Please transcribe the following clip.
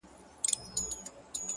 اوس مي لا په هر رگ كي خـوره نـــه ده؛